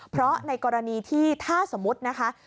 เพราะในกรณีที่ถ้าสมมุตินะคะ